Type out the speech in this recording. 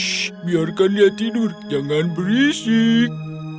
shh biarkan dia tidur jangan berisik